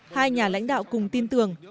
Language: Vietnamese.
hai nhà lãnh đạo cùng tin tưởng